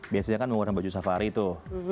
biasanya kan menggunakan baju safari tuh